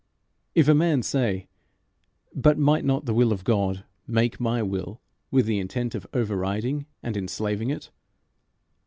If a man say, "But might not the will of God make my will with the intent of over riding and enslaving it?"